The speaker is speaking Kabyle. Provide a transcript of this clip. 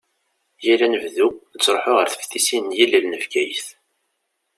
Yal anebdu nettruḥu ɣer teftisin n yilel n Bgayet.